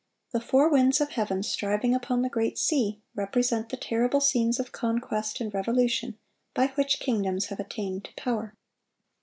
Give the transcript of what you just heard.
The four winds of heaven striving upon the great sea, represent the terrible scenes of conquest and revolution by which kingdoms have attained to power.